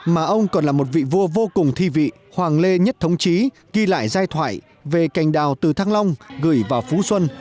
mà ông còn là một vị vua vô cùng thi vị hoàng lê nhất thống trí ghi lại giai thoại về cành đào từ thăng long gửi vào phú xuân